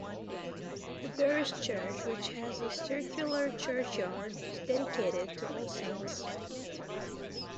The parish church, which has a circular churchyard, is dedicated to All Saints.